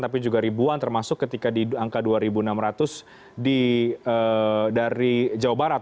tapi juga ribuan termasuk ketika di angka dua enam ratus dari jawa barat